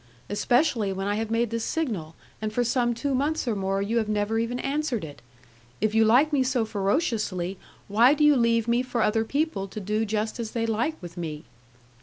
especially when I have made the signal, and for some two months or more you have never even answered it! If you like me so ferociously, why do you leave me for other people to do just as they like with me?'